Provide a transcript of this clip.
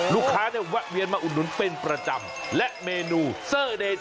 ลูกค้าเนี่ยแวะเวียนมาอุดหนุนเป็นประจำและเมนูเซอร์เด็ด